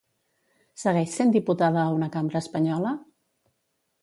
Segueix sent diputada a una cambra espanyola?